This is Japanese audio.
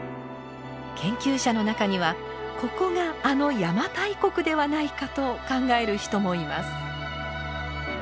研究者の中にはここがあの邪馬台国ではないかと考える人もいます。